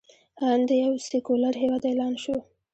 هند یو سیکولر هیواد اعلان شو.